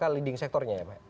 leading sectornya ya pak